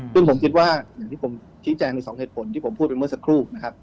ซึ่งผมคิดว่าอย่างที่ผมพิจารณ์ใน๒เหตุผลที่ผมพูดไปเมื่อสักครู่